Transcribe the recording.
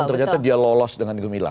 dan ternyata dia lolos dengan gemila